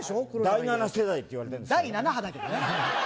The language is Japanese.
第７世代っていわれてんですけど第７波だけどね